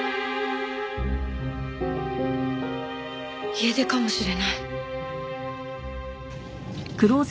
家出かもしれない。